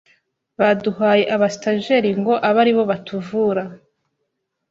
baduhaye aba stageur ngo abe ari bo batuvura